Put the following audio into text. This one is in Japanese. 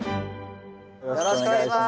よろしくお願いします。